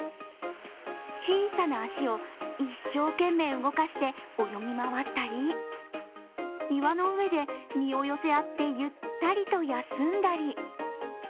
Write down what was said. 小さな足を一生懸命動かして、泳ぎ回ったり、岩の上で身を寄せ合ってゆったりと休んだり。